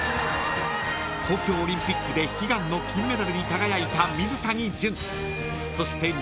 ［東京オリンピックで悲願の金メダルに輝いた］